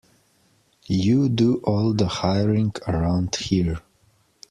You do all the hiring around here.